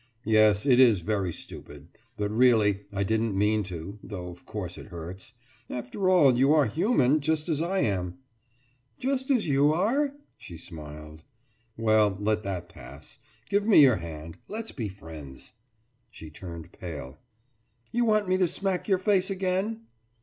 Yes, it is very stupid ... but really, I didn't mean to though of course it hurts. After all, you are human, just as I am....« »Just as you are?« she smiled. »Well, let that pass. Give me your hand. Let's be friends.« She turned pale. »You want me to smack your face again?